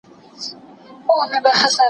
رنګ په وینو سره چاړه یې هم تر ملا وه